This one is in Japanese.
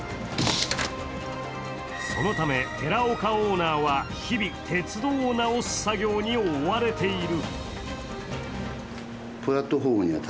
そのため、寺岡オーナーは日々、鉄道を直す作業に追われている。